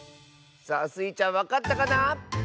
さあスイちゃんわかったかな？